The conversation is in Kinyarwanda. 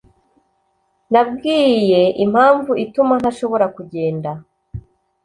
Nabwiye impamvu ituma ntashobora kugenda.